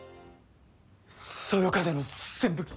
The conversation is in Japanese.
そよ風の扇風機！